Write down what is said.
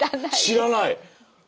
知らない？